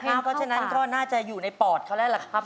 เพราะฉะนั้นก็น่าจะอยู่ในปอดเขาแล้วล่ะครับ